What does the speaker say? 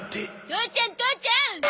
父ちゃん父ちゃん！